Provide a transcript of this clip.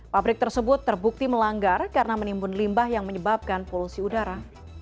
pabrik tersebut terbukti melanggar karena menimbun limbah yang menyebabkan polusi udara